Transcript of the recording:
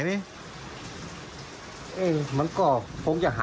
พี่ทำยังไงฮะ